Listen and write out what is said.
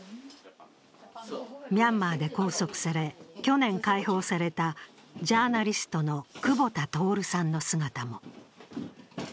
ミャンマーで拘束され、去年解放されたジャーナリストの久保田徹さんの姿も。